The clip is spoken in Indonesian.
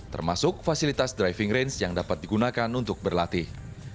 termasuk fasilitas driving range yang dapat digunakan untuk berlatih